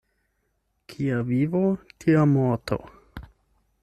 Kia vivo, tia morto.